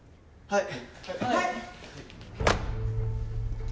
はい！